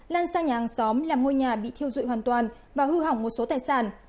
lan sang nhà hàng xóm làm ngôi nhà bị thiêu dụi hoàn toàn và hư hỏng một số tài sản